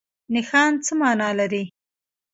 نښان څه مانا لري؟